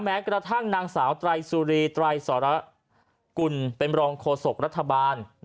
แม้กระทั่งนางสาวไตรสุรีไตรสรกุลเป็นรองโฆษกรัฐบาล